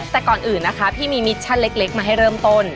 แต่ก่อนอื่นนะคะพี่มีมิชชั่นเล็กมาให้เริ่มต้น